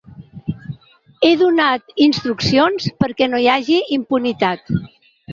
He donat instruccions perquè no hi hagi impunitat.